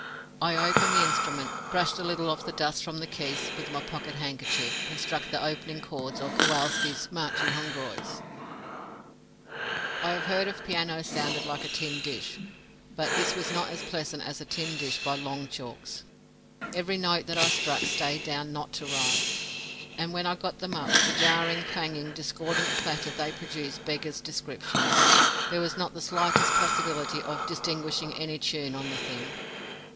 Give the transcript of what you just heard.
I opened the instrument, brushed a little of the dust from the keys with my pocket handkerchief, and struck the opening chords of Kowalski's "Marche Hongroise". I have heard of pianos sounding like a tin dish, but this was not as Pleasant as a tin dish by long chalks. Every note that I struck stayed down not to rise, and when I got them up the jarring, clanging, discordant clatter they produced beggars description. There was not the slightest possibility of distinguishing any tune on the thing.